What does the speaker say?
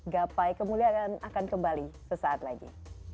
gapai kemuliaan akan kembali sesaat lagi